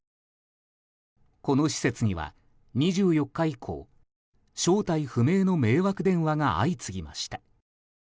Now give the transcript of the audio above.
この施設には２４日以降正体不明の迷惑電話が相次ぎました。